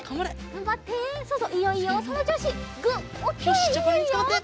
よしじゃあこれにつかまって。